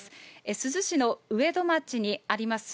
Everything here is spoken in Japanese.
珠洲市のうえど町にあります